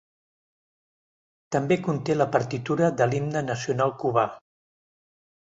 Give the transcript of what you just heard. També conté la partitura de l'Himne Nacional Cubà.